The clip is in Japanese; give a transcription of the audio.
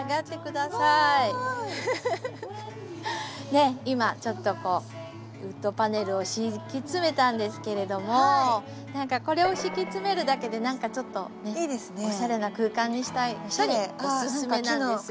ねっ今ちょっとこうウッドパネルを敷き詰めたんですけれども何かこれを敷き詰めるだけでちょっとねおしゃれな空間にしたい人におすすめなんです。